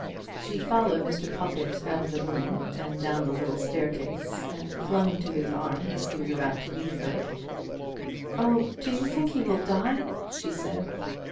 She followed Mr. Pawlkatt out of the room, and down the little staircase, and clung to his arm as he was about to leave her. "Oh, do you think he will die?" she said.